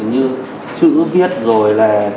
như chữ viết rồi là